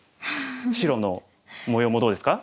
白の模様もどうですか？